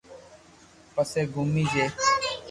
پسي گومي جي